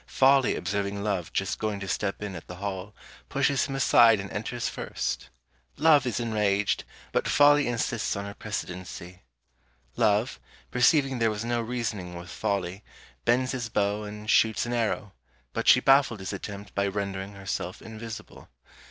Folly observing Love just going to step in at the hall, pushes him aside and enters first. Love is enraged, but Folly insists on her precedency. Love, perceiving there was no reasoning with Folly, bends his bow and shoots an arrow; but she baffled his attempt by rendering herself invisible.